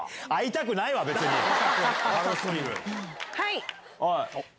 はい！